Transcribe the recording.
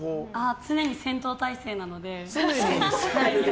常に戦闘態勢なので。